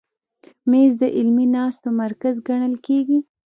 مېز د علمي ناستو مرکز ګڼل کېږي.